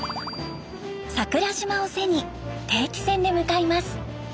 桜島を背に定期船で向かいます。